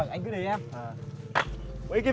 vâng vâng anh cứ để em